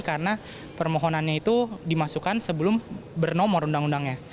karena permohonannya itu dimasukkan sebelum bernomor undang undangnya